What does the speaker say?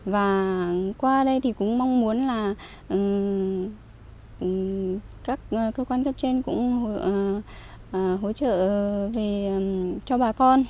và qua đây thì cũng mong muốn là các cơ quan cấp trên cũng hỗ trợ về cho bà con